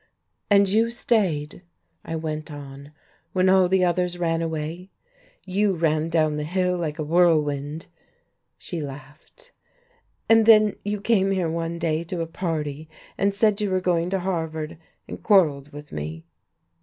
"And you stayed," I went on, "when all the others ran away? You ran down the hill like a whirlwind." She laughed. "And then you came here one day, to a party, and said you were going to Harvard, and quarrelled with me."